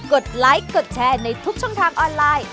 ดไลค์กดแชร์ในทุกช่องทางออนไลน์